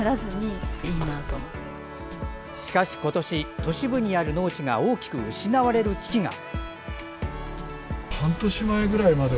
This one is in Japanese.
しかし今年、都市部にある農地が大きく失われる危機が。